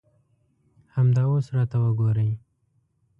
همدا اوس راته وګورئ.